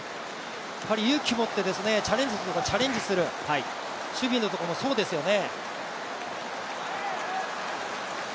勇気を持ってチャレンジするところはチャレンジする、守備のところもそうですよね。